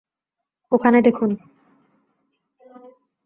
ওখানে দেখুন।